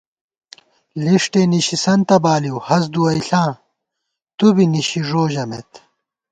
لِݭٹےنِشِسَنتہ بالِیؤ، ہست دُوَئیݪاں تُو بی نِشی ݫو ژَمېت